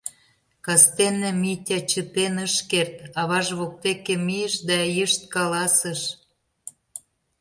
Кастене Митя чытен ыш керт, аваж воктеке мийыш да йышт каласыш: